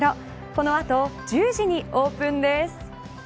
この後、１０時にオープンです。